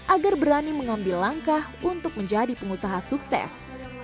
agar berani mengambil langkah untuk menjadi pengusaha sukses